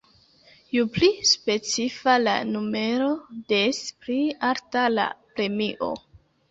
Ju pli specifa la numero, des pli alta la premio.